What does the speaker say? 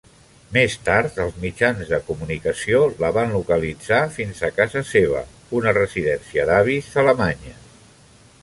Més tard, els mitjans de comunicació la van localitzar fins a casa seva, una residència d'avis a Alemanya.